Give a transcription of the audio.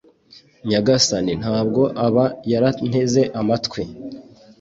Nyagasani nta bwo aba yaranteze amatwi